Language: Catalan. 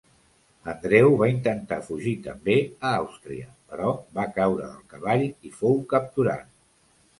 Andreu va intentar fugir també a Àustria, però va caure del cavall i fou capturat.